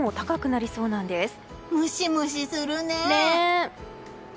ムシムシするね。